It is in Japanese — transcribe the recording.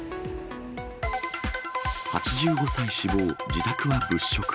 ８５歳死亡、自宅は物色。